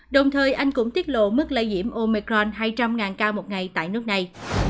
đồng thời anh cũng tiết lộ mức lây nhiễm omecron hai trăm linh ca một ngày tại nước này